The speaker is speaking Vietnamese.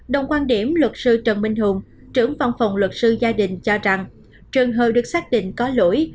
đồng quan điểm luật sư trần minh hùng trưởng văn phòng luật sư gia đình cho rằng trường hợp được xác định có lỗi